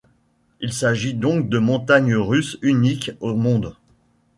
Il s'agit donc de montagnes russes uniques au monde.